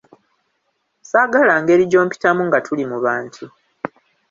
Saagala ngeri gy'ompitamu nga tuli mu bantu.